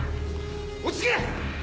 落ち着け！！